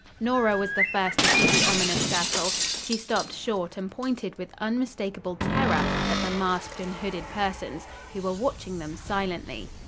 Nora was the first to see the ominous circle. She stopped short, and pointed with unmistakable terror at the masked and hooded persons, who were watching them silently.